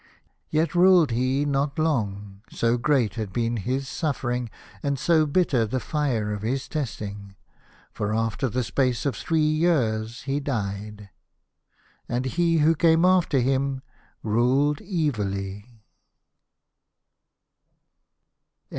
Yet ruled he not long, so great had been his suffering, and so bitter the fire of his test ing, for after the space of three years he died. And he who came after him ruled evilly.